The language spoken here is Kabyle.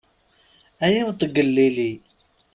Ay imṭeglelli!